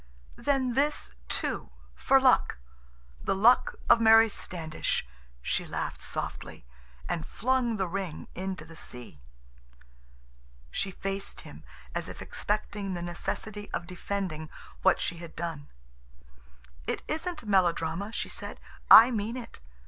"Then this, too, for luck—the luck of Mary Standish," she laughed softly, and flung the ring into the sea. She faced him, as if expecting the necessity of defending what she had done. "It isn't melodrama," she said. "I mean it.